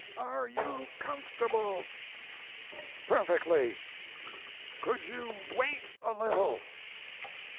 "Are you comfortable?" "Perfectly." "Could you wait a little?"